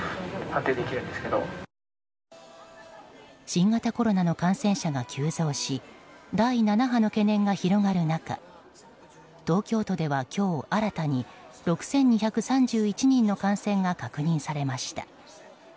新型コロナの感染者が急増し第７波の懸念が広がる中東京都では今日新たに６２３１人の感染が確認されました。